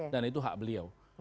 dan itu hak beliau